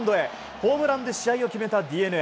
ホームランで試合を決めたＤｅＮＡ。